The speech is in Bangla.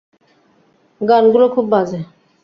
গানগুলো খুব বাজে!